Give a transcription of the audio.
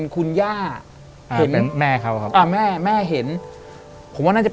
คุณย่า